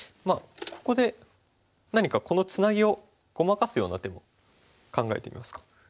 ここで何かこのツナギをごまかすような手も考えてみますか。